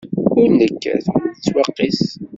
Ur nekkat ur nettwaqis.